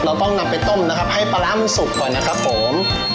เราต้องนำไปต้มนะครับให้ปลาร้ามันสุกก่อนนะครับผม